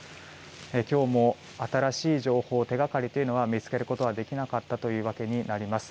今日も新しい情報手掛かりというのは見つけることはできなかったというわけになります。